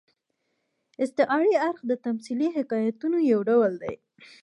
استعاري اړخ د تمثيلي حکایتونو یو ډول دئ.